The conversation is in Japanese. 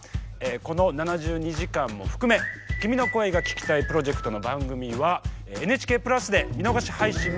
この「７２時間」も含め「君の声が聴きたい」プロジェクトの番組はＮＨＫプラスで見逃し配信もございます。